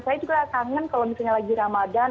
saya juga kangen kalau misalnya lagi ramadan